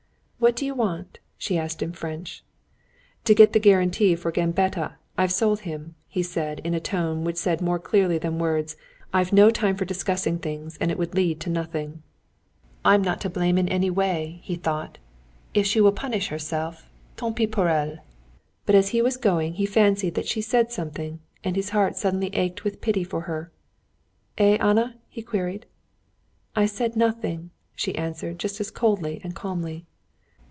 "What do you want?" she asked in French. "To get the guarantee for Gambetta, I've sold him," he said, in a tone which said more clearly than words, "I've no time for discussing things, and it would lead to nothing." "I'm not to blame in any way," he thought. "If she will punish herself, tant pis pour elle. But as he was going he fancied that she said something, and his heart suddenly ached with pity for her. "Eh, Anna?" he queried. "I said nothing," she answered just as coldly and calmly.